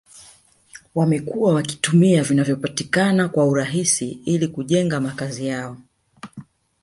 wamekuwa wakitumia vinavyopatikana kwa urahisi ili kujenga makazi yao